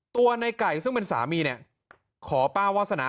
ในไก่ซึ่งเป็นสามีเนี่ยขอป้าวาสนา